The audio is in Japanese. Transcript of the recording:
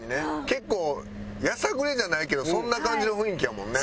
結構やさぐれじゃないけどそんな感じの雰囲気やもんね。